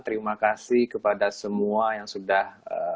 terima kasih kepada semua yang sudah